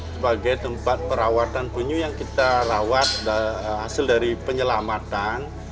sebagai tempat perawatan penyu yang kita rawat hasil dari penyelamatan